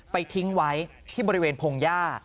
ทิ้งไว้ที่บริเวณพงหญ้า